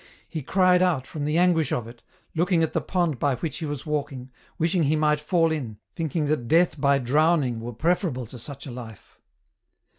He cried out from the anguish of it, looking at the pond by which he was walking, wishing he might fall in, thinking that death by drowning were preferable to such a life